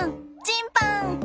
チンパン！